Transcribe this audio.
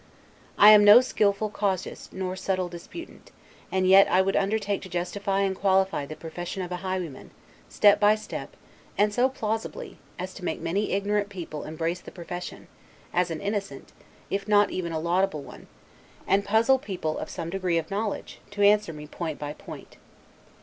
I am no skillful casuist nor subtle disputant; and yet I would undertake to justify and qualify the profession of a highwayman, step by step, and so plausibly, as to make many ignorant people embrace the profession, as an innocent, if not even a laudable one; and puzzle people of some degree of knowledge, to answer me point by point.